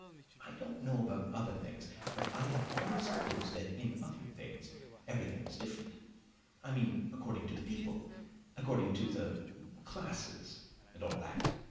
I don't know about other things; but I have always supposed that in other things everything was different. I mean according to the people according to the classes, and all that.